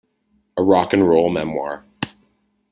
A Rock-and-Roll Memoir.